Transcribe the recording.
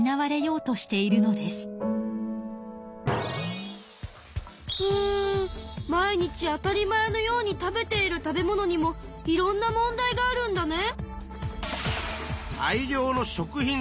うん毎日当たり前のように食べている食べ物にもいろんな問題があるんだね。